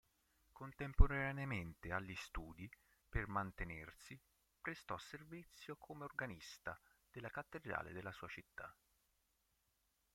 Contemporaneamente agli studi, per mantenersi, prestò servizio come organista della cattedrale della sua città.